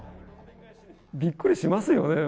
びっくりしますよね。